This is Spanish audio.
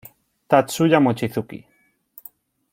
Tatsuya Mochizuki